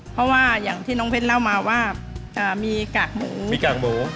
เพราะว่าอย่างที่น้องเพชรเล่ามาว่ามีกากหมูมีกากหมู